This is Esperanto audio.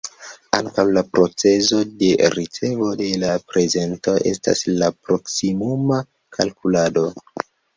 Ankaŭ la procezo de ricevo de la prezento estas la "proksimuma kalkulado".